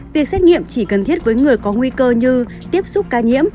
việc xét nghiệm chỉ cần thiết với người có nguy cơ như tiếp xúc ca nhiễm